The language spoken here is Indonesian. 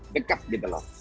dekat gitu loh